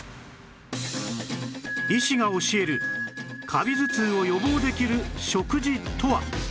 医師が教えるカビ頭痛を予防できる食事とは？